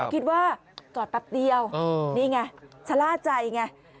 คิดว่าจอดแป๊บเดียวนี่ไงชะล่าใจไง